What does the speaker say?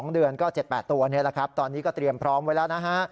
๒เดือนก็๗๘ตัวนี่แหละครับตอนนี้ก็เตรียมพร้อมไว้แล้วนะฮะ